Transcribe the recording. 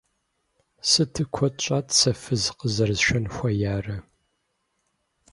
Сыту куэд щӀат сэ фыз къызэрысшэн хуеярэ!